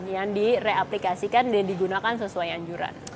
yang direplikasikan dan digunakan sesuai anjuran